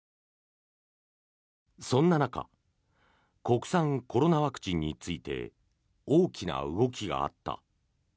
そんな中国産コロナワクチンについて大きな動きがあった。